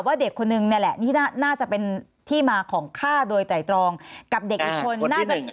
ว่าเด็กคนนึงนี่แหละน่าจะเป็นที่มาของฆ่าโดยไตรองกับเด็กอีกคน